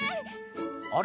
あれ？